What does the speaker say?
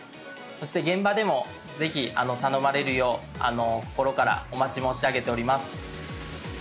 そして現場でもぜひ頼まれるよう心からお待ち申し上げております。